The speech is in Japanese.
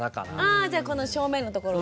ああじゃあこの正面のところが。